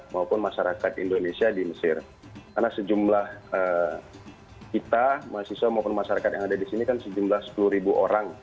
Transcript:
maupun masyarakat indonesia di mesir karena sejumlah kita mahasiswa maupun masyarakat yang ada di sini kan sejumlah sepuluh orang